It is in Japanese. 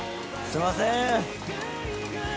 すんません。